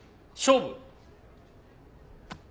勝負！